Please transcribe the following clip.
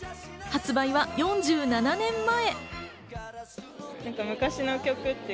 発売は４７年前。